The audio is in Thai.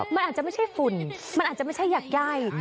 มันอาจจะไม่ใช่ฝุ่นมันอาจจะไม่ใช่หยักย่าย